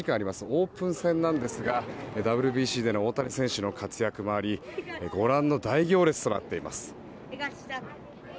オープン戦なんですがＷＢＣでの大谷選手の活躍もありご覧の大行列となっています。